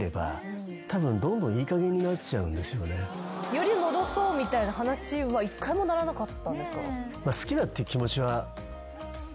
より戻そうみたいな話は１回もならなかったんですか？